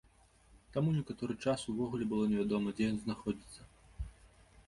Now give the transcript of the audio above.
Таму некаторы час увогуле было невядома, дзе ён знаходзіцца.